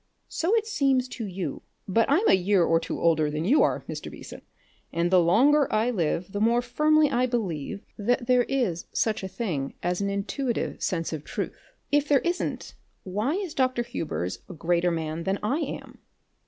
"So it seems to you; but I'm a year or two older than you are, Mr. Beason, and the longer I live the more firmly I believe that there is such a thing as an intuitive sense of truth. If there isn't, why is Dr. Hubers a greater man than I am?"